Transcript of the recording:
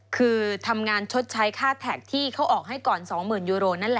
คือทำงานชดใช้ค่าแท็กที่เขาออกให้ก่อน๒๐๐๐ยูโรนั่นแหละ